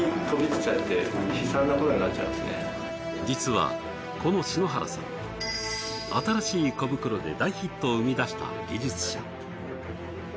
実はこの篠原さん新しい小袋で大ヒットを生み出した技術者。